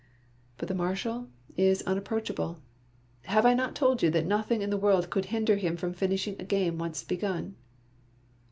But the Marshal is unapproachable. Have I not told you that nothing in the world could hinder him from finishing a game once begun?